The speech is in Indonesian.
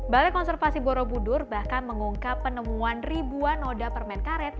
balai konservasi borobudur bahkan mengungkap penemuan ribuan noda permen karet